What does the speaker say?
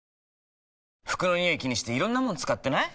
服のニオイ気にしていろんなもの使ってない？